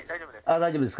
大丈夫です。